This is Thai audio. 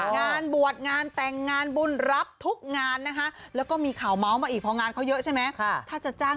งานบวชงานแต่งงานบุญรับทุกงานนะฮะ